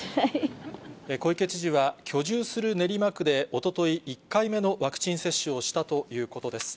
小池知事は、居住する練馬区でおととい、１回目のワクチン接種をしたということです。